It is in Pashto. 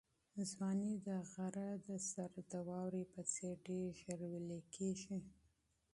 ځواني د غره د سر د واورې په څېر ډېر ژر ویلې کېږي.